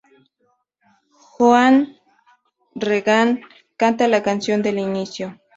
Joan Regan canta la canción del inicio.